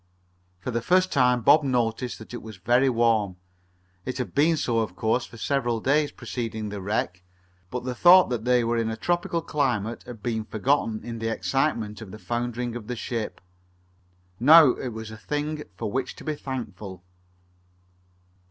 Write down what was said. For the first time Bob noticed that it was very warm. It had been so, of course, for several days preceding the wreck, but the thought that they were in a tropical climate had been forgotten in the excitement of the foundering of the ship. Now it was a thing for which to be thankful.